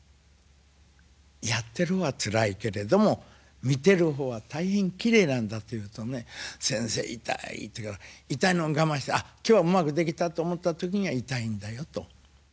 「やってる方はつらいけれども見てる方は大変きれいなんだ」と言うとね「先生痛い」と言うから「痛いのを我慢してあっ今日はうまくできたと思った時には痛いんだよ」と。